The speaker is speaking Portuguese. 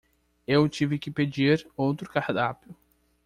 Eu tive de pedir outro cardápio